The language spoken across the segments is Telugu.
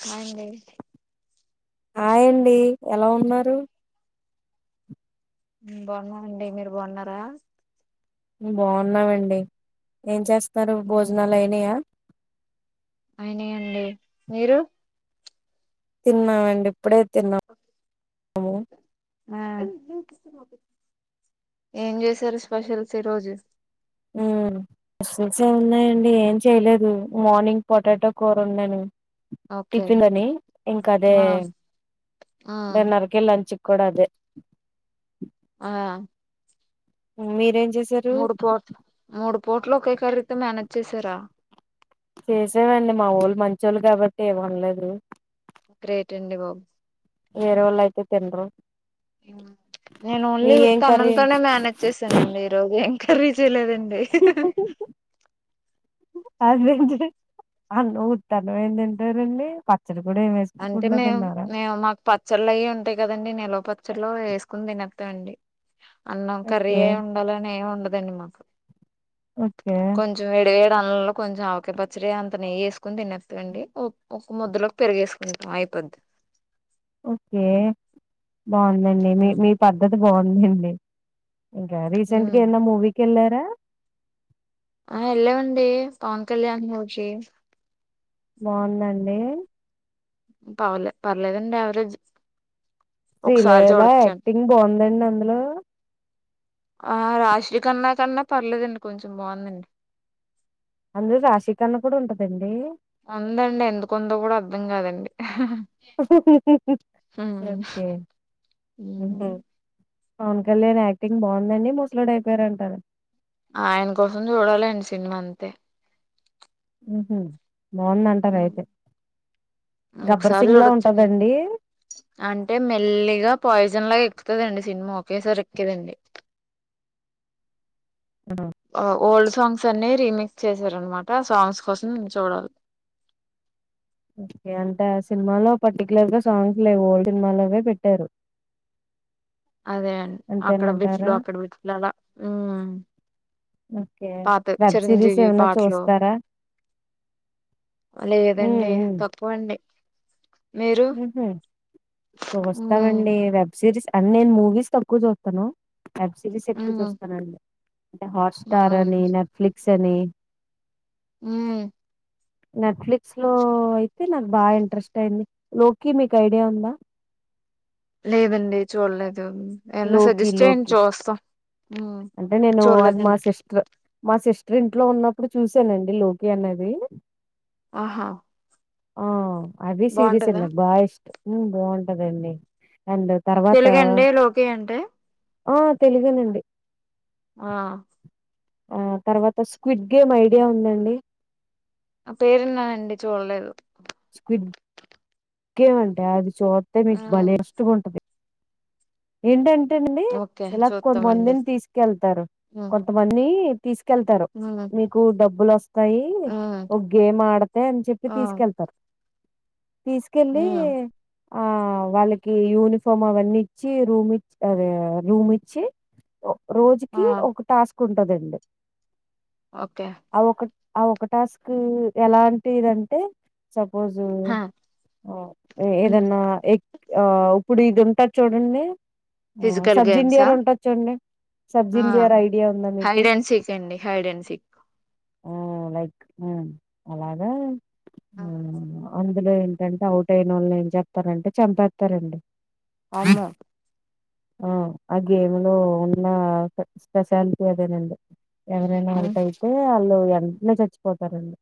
హాయ్ అండి హయ్ ఆండీ ఎలా ఉన్నారు బాగున్ననండి మీరు బాగున్నారా బాగున్నామండి ఏం చేస్ స్తారు భోజనాలు అయినాయా అయినయి అండి మీరు తిన్నావండి ఇప్పుడే తిన్నాం ము ఆ ఏం చేశారు స్పెషల్స్ ఈ రోజు ఉ స్పెషల్స్ ఎమ్ ఉన్నాయండి ఏం చెయలేదు మార్నింగ్ పొటాటో కూర వండాను ఓకే టిఫిన్ అని ఇంకా అదే ఆ ఆ డిన్నర్ కి లంచ్ కి కూడా అదే ఆ మీరేమ్ చే మూడు పోట్ మూడు పోట్ ఒకే కర్రి తొ మేనేజ్ చేసారా చేసానండి మా వాళ్ళు మంచి వాళ్ళు కాబట్టి ఏమనలేదు గ్రేట్ అండి బాబు వేరేవాళ్ళయితే తినరు నేను మీ ఓన్లీ ఏం ఉత్త కర్రీ? అన్నంతోనే మేనేజ్ చేసానండి ఈ రోజు కర్రీ చేయలేదండి న [unintelligible] అ నూతానువ ఏందిింట రండి ప [unintelligible] అంటే మేము మేము మాకు పచ్చళ్ళ అవి ఉంటాయి కదండి నిలవప చ్చట్లో వేసుకుని తినేతామండి అన్నం కర్రి ఓకే ఎ ఉండాలనేమ్ ఉండదు ధన్య మాకు ఓకే. కొంచం వేడి వేడి దానిలో కొంచెం ఆవకాయ్ పచ్చడి అంత నెయ్యి వేసుకుని తినేతామండి ఒక ముద్దలోకి పెరిగేసు అయిపోద్ది ఓకే బాగుందండి మీ మీ పద్ధతి బాగుంది హూ [unintelligible] ఇంకా రీసెంట్గా ఉమ్ ఎదన్నా మూవీకి వెళ్ళారా ఆ ఎల్లామండి పవన్ కళ్యాణ ఓజి బాగుందండి పవలే పర్లేదండి ఆవరేజ్ శ్రీలీల యాక్టింగ్ బాగుందండి అందులొ అందులో ఆ రాశీ కన్నా కన్నా పర్లేదండి కొంచెం బాగుందండి అందులొ రాశి కన్న కూడా ఉంటదండి ఉందండి ఎందుకుందొ కూడా అర్ధం కాదండి ఉమ్. ఓకే ఉమ్. పవన్ కళ్యాణ్ యాక్టింగ్ బాగుందండి ముసలోడు అయిపోయారంటార ఆయన కోసం చూడాలండి సినిమా అంతే ఉహ 'గబ్బర్ ఒకసారి సింగ్'లా చూడచ్చండి ఉంటదండి? అంటే మెల్లిగా పాయి [unintelligible] ఎక్కుతుదండి సినిమా ఒకేసారి ఎక్కేదండి ఆ ఓల్డ్ సాంగ్స్ అన్ని రీమిక్స్ చేసారనమాట సాంగ్స్ కోసం చూడాలి ఓకే అంటే ఆ సినిమాలో పర్టికులర్ గా సాంగ్స్ లేవు ఓల్డ్ సినిమాలోవే పెట్టారు. అదే అండి అక్కడ విట్లు అంతేనంటారా? అక్కడ విట్లు హు అలా ఓకే. పాతవి వెబ్ సీరీస్ చిరంజీవి ఏమన్నా పాటలు చూస్తారా? లేదండి తక్కువండి ఉమ్ చుస్తామండి వెబ్ సిరీస్ అండి నేను మూవీస్ తక్కువ చూస్తాను వెబ్ సిరీస్ ఎక్కువ ఉమ్ చూస్తానండి. అంటే హాట్స్టార్ అవునండి అని నెట్ఫ్లిక్స్ పిక్స్ అని హు నెట్ఫ్లిక్స్ లో ఆ అయితే నాకు బాగా ఇంట్రెస్ట్ అయింది లోకి మీకు ఐడియా ఉంద లేదండి చూడలేదు హు ఏమన్నా 'లోకి' సజెస్ట్ చేయండి 'లోకి' చూస్తాం ఉమ్ అంటే నేను అది మా చూడలేదండి సిస్టర్ మా సిస్టర్ ఇంట్లో ఉన్నప్పుడు చూసానండి లోకి అనేది ఆహా ఆ అవి సీరిస్ అండి బాగుంటదా నాకు బాగా ఇష్టం బాగుంటదండి తెలుగండి లోకి అంటే ఆ తెలుగేనండి ఆ ఆ తర్వాత స్క్విడ్ గేమ్ ఐడియా ఉందండి. ఆ పేరువున్నాదండి చూడలేదు స్కిట్ కే వంటే అది చాట్ మీట్ ఉమ్ బలే వరస్ట్ గా ఉంటది ఏంట అండి ఏంటండీ ఓకే ఇలా చూస్తామండి కొంతమందిని తీసుకెళ్తారు ఉమ్ కొంతమంది తీసుకెళ్తారు ఉమ్ మీకు డబ్బులు వస్త వస్తాయి ఉమ్ ఒక గేమ్ ఆడితే అని చెప్పి ఆ తీసుకెళ్తారు తీసుకెళ్ళీ ఉమ్ ఆ వాళ్ళకి యూనిఫామ్ అవన్నీ ఇచ్చి రూమ్ ఇ అదే రూమిచ్చి. ఒ ఆ రోజుకి ఒక టాస్క్ కుంటదండి. ఓకే ఆ ఒక టాస్క్ ఎలాంటి దంటే సపోజు హా హ్ ఉమ్, ఏదన్నా ఆ ఉప్పుడు ఇది ఉంటది చూడండి. ఆ ఫిజికల్ సబ్జి గేమ్సా ఇండియార్ ఉంటది చూడండి. సబ్జి ఆ ఇండియార్ ఐడియా ఉందా మీకు. హైడ్ అండ్ సీక్ అండి హైడ్ అండ్ సీక్ ఓ లైక్ హ్ అలాగా ఆ [inaudible] అందులో ఏంటంటే అవుట్ అయిన వొళ్ళని ఏం చెత్తారంటే చంపేస్తారండి. అమ్మో. ఆ ఆ గేములో ఉన్న స్పెషాలిటీ అదేనండి. ఎవరైనా ఉమ్ అవుటైతే అల్లు [inaudible] చచ్చిపోతారండి.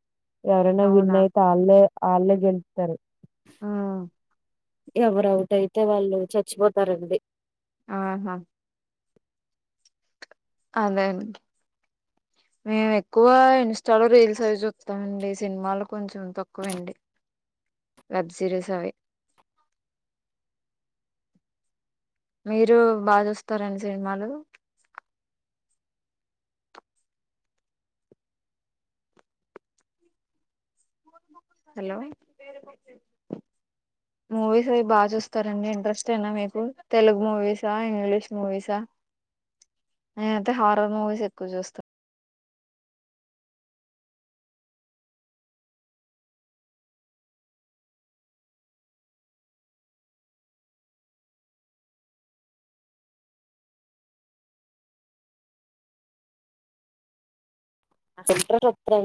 ఎవరైనా విన్ అవునా అయితే ఆల్లే అల్లె గెళ్తరు. ఉమ్ ఎవరు అవుట్ అయితే వాళ్ళు చచ్చిపోతారండి. ఆహా అదేనండి. మేము ఎక్కువ ఇన్స్టాలో రీల్స్ అవి చూస్తామండి. సినిమాలు కొంచెం తక్కువె అండి వెబ్ సిరీస్ అవి. మీరు బాచూస్తారండి సినిమాలు. హలో మూవీస్ అవి బాగా చూస్తారండి. ఇంట్రెస్ట్ యేనా మీకు. తెలుగు మూవీసా, ఇంగ్లీష్ మూవీసా నేనయితే హారర్ మూవీస్ ఎక్కువ చూస్తా. అసలు [inaudible] అండి.